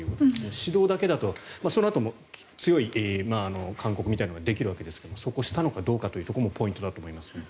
指導だけだとそのあと強い勧告もできるということですがそこをしたのかどうかというのもポイントだと思いますが。